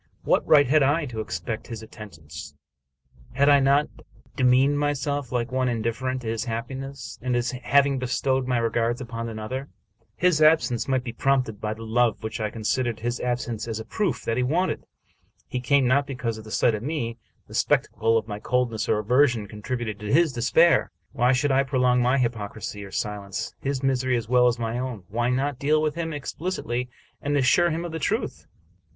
What right had I to expect his attend ance? Had I not demeaned myself like one indifferent to his happiness, and as having bestowed my regards upon another ? His absence might be prompted by the love which I considered his absence as a proof that he wanted. He came not because the sight of me, the spectacle of my cold ness or aversion, contributed to his despair. Why should I prolong, by hypocrisy or silence, his misery as well as my own? Why not deal with him explicitly, and assure him of the truth?